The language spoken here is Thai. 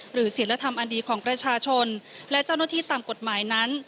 ศิลธรรมอันดีของประชาชนและเจ้าหน้าที่ตามกฎหมายนั้น